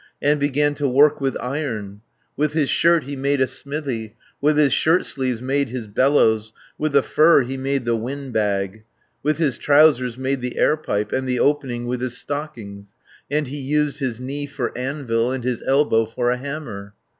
And began to work with iron. With his shirt he made a smithy, With his shirt sleeves made his bellows, With the fur he made the wind bag, With his trousers made the air pipe, And the opening with his stockings And he used his knee for anvil, And his elbow for a hammer.